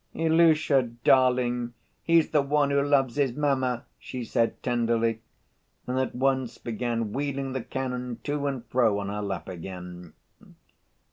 "Ilusha, darling, he's the one who loves his mamma!" she said tenderly, and at once began wheeling the cannon to and fro on her lap again.